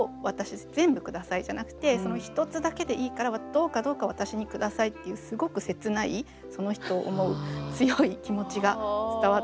「全部ください」じゃなくて「その一つだけでいいからどうかどうかわたしにください」っていうすごく切ないその人を思う強い気持ちが伝わってくると思います。